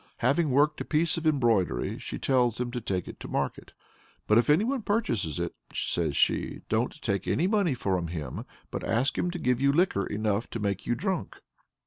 Having worked a piece of embroidery, she tells him to take it to market. "But if any one purchases it," says she, "don't take any money from him, but ask him to give you liquor enough to make you drunk."